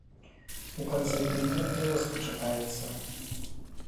У канцы тыдня прывозка чакаецца.